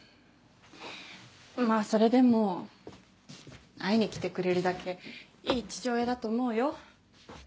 まぁそれでも会いに来てくれるだけいい父親だと思うよ。